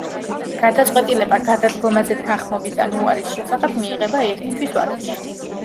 გადაწყვეტილება გადადგომაზე თანხმობის ან უარის შესახებ მიიღება ერთი თვის ვადაში.